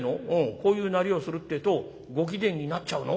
こういうなりをするってえとご貴殿になっちゃうの？